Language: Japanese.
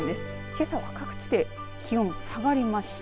けさは各地で気温下がりました。